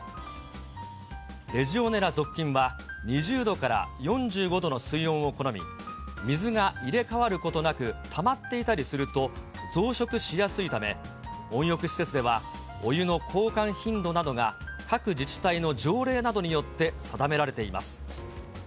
レジオネラ属菌は２０度から４５度の水温を好み、水が入れ代わることなくたまっていたりすると、増殖しやすいため、温浴施設ではお湯の交換頻度などが、各自治体の条例などによって定められています。